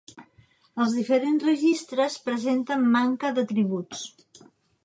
Els diferents registres presenten manca d'atributs.